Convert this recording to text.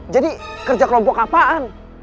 jadi kerja kelompok apaan